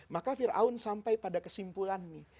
maka fir'aun sampai pada kesimpulan nih